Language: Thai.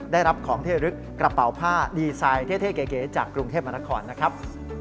ได้รับของเที่ยวลึกกระเป๋าผ้าดีไซน์เท่เก๋จากกรุงเทพมนครนะครับ